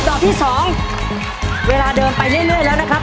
ดอกที่๒เวลาเดินไปเรื่อยแล้วนะครับ